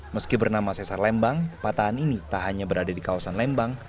meski bernama sesar lembang patahan ini tak hanya berada di kawasan lembang